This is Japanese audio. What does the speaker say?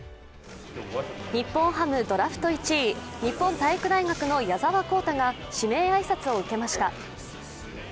日本ハムドラフト１位、日本体育大学の矢澤宏太が指名挨拶を受けました。